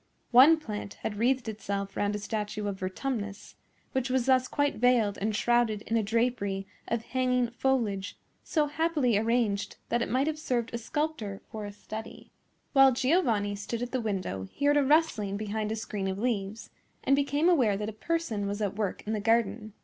One plant had wreathed itself round a statue of Vertumnus, which was thus quite veiled and shrouded in a drapery of hanging foliage, so happily arranged that it might have served a sculptor for a study. While Giovanni stood at the window he heard a rustling behind a screen of leaves, and became aware that a person was at work in the garden.